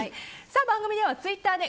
番組ではツイッターで